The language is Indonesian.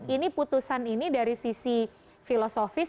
ini putusan ini dari sisi filosofis